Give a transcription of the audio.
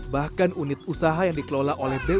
bahkan unit usaha yang dikelola oleh bumn